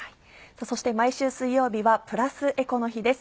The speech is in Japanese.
そして毎週水曜日はプラスエコの日です。